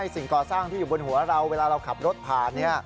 สิ่งก่อสร้างที่อยู่บนหัวเราเวลาเราขับรถผ่าน